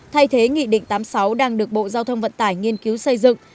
thay thế nghị định tám mươi sáu đang được bộ giao thông vận tải nghiên cứu xây dựng